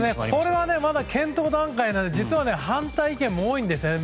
これはまだ検討段階なので実は反対意見も多いんです。